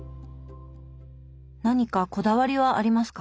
何かこだわりはありますか？